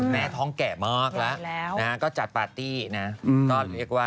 แม่ท้องแก่มากแล้วก็จัดปาร์ตี้นะ